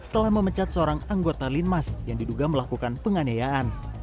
telah memecat seorang anggota linmas yang diduga melakukan penganiayaan